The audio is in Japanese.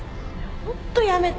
ホントやめて！